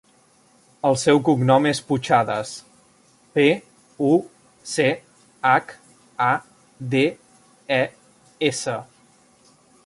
El seu cognom és Puchades: pe, u, ce, hac, a, de, e, essa.